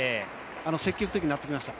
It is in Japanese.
積極的になってきました。